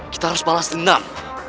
kita harus balas dendam